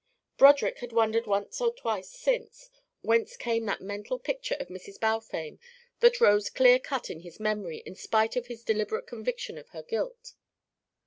Broderick had wondered once or twice since whence came that mental picture of Mrs. Balfame that rose clear cut in his memory, in spite of his deliberate conviction of her guilt.